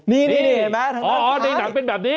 นี้นางเอก